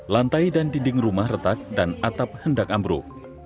lantai dan dinding rumah retak dan atap hendak ambruk